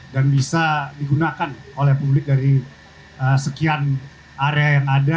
dan bisa digunakan oleh publik dari sekian area yang ada